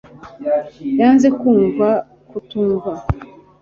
Yanze kumva kutumva